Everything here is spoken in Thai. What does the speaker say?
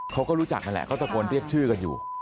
เขาก็รู้จักนั่นแหละเขาตะโกนเรียกชื่อกันอยู่